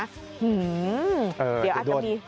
เดี๋ยวอาจจะมี